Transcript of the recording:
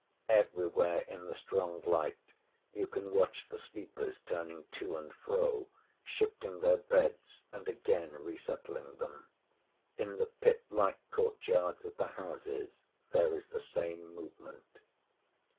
Everywhere, in the strong light, you can watch the sleepers turning to and fro; shifting their beds and again resettling them. In the pit like court yards of the houses there is the same movement.